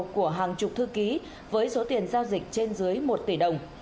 của hàng chục thư ký với số tiền giao dịch trên dưới một tỷ đồng